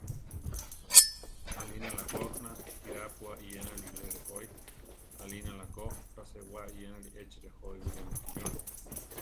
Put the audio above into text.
Alinála ko najirápua iyenali bilé rejói; alinála ko raséwa iyenali échi rejói bilé mukí yúa.